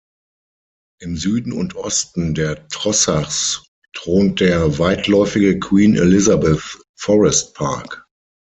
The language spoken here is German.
Im Süden und Osten der Trossachs thront der weitläufige Queen Elizabeth Forest Park.